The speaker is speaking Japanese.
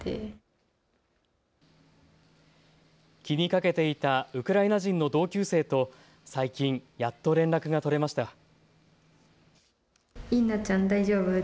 気にかけていたウクライナ人の同級生と最近やっと連絡が取れました。